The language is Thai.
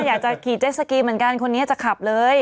อยากจะขี่เจสสกีเหมือนกันคนนี้จะขับเลย